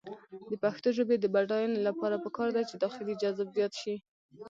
د پښتو ژبې د بډاینې لپاره پکار ده چې داخلي جذب زیات شي.